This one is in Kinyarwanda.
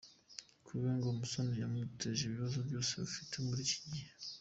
Kuri we ngo Musoni yamuteje ibibazo byose afite muri iki gihe.